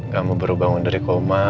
kamu baru bangun dari koma